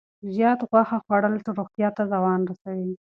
زیات غوښه کول روغتیا ته زیان رسوي.